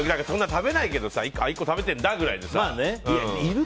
食べないけど１個食べてんだみたいな。